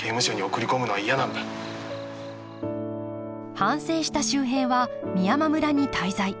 反省した秀平は美山村に滞在。